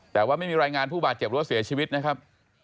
แต่ว่าไม่มีรายงานผู้บาดเจ็บหรือว่าเสียชีวิตนะครับ